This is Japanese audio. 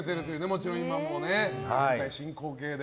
もちろん今も、現在進行形で。